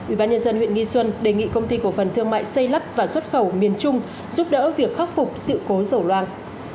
ubnd huyện nghi xuân đề nghị công ty cổ phần thương mại xây lắp và xuất khẩu miền trung giúp đỡ việc khắc phục sự cố dầu loang